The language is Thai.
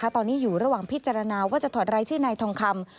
ตอนนี้อยู่ระหว่างพิจารณาว่าจะถอดรายชื่อนายทองคำ